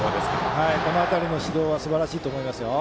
この辺りの指導はすばらしいと思いますよ。